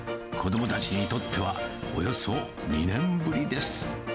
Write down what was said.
子どもたちにとってはおよそ２年ぶりです。